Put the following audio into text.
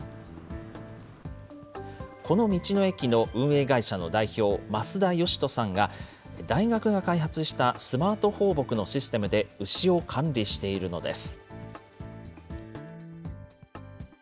この道の駅の運営会社の代表、増田好人さんが、大学が開発したスマート放牧のシステムで牛を管理しているのです。